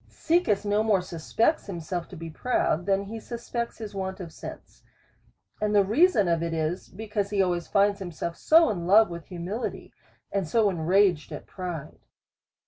Caecus no more suspects himself to be proud, than he suspects his want of sense. And the reason of it is, because he always finds himself in love with humili ty, and so enraged at pride.